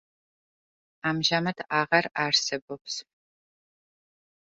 ამჟამად აღარ არსებობს.